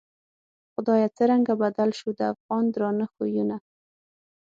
خدایه څرنگه بدل شوو، د افغان درانه خویونه